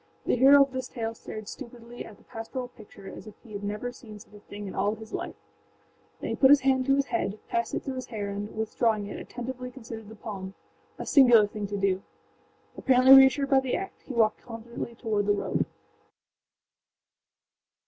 The hero of this tale stared stupidly at the pastoral picture as if he had never seen such a thing in all his life; then he put his hand to his head, passed it through his hair and, withdrawing it, attentively considered the palmâa singular thing to do. Apparently reassured by the act, he walked confidently toward the road.